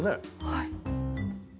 はい。